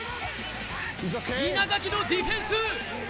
稲垣のディフェンス！